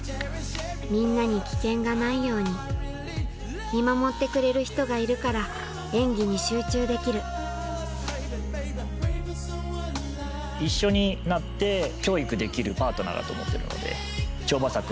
みんなに危険がないように見守ってくれる人がいるから演技に集中できる一緒になって教育できるパートナーだと思ってるので。